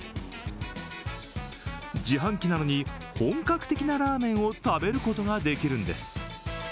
自販機なのに本格的なラーメンを食べることができるんです。